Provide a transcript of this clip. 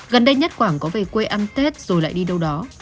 gần đây nhất quảng có về quê ăn tết rồi lại đi đâu đó